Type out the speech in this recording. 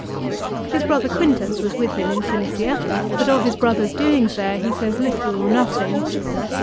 His brother Quintus was with him in Cilicia, but of his brother's doings there he says little or nothing.